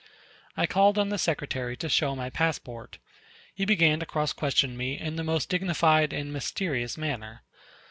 I called on the Secretary to show my passport. He began to cross question me in the most dignified and mysterious manner.